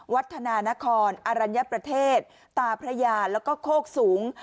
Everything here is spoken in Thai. วัฒนานครอรัญญประเทศตาพระยาแล้วก็โคกสูง